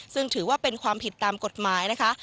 ซึ่งถือว่าเป็นความผิดตามกฎหมายนะคะ